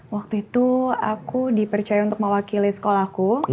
waktu itu aku dipercaya untuk mewakili sekolahku